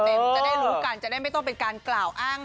จะได้รู้กันจะได้ไม่ต้องเป็นการกล่าวอ้าง